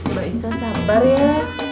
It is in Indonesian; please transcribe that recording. mbak isah sabar ya